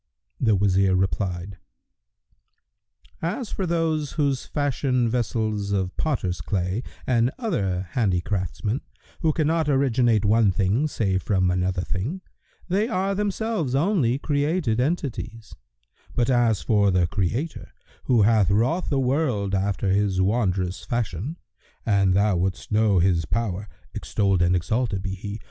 The Wazir replied, "As for those, who fashion vessels of potter's clay,[FN#119] and other handicraftsmen, who cannot originate one thing save from another thing, they are themselves only created entities; but, as for the Creator, who hath wrought the world after this wondrous fashion, an thou wouldst know His power (extolled and exalted be He!)